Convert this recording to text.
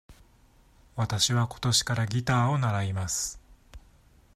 わたしは今年からギターを習います。